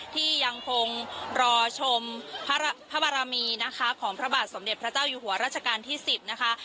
ที่ยังคงรอชมพระบารมีนะคะของพระบาทสมเด็จพระเจ้าอยู่หัวราชการที่๑๐นะคะ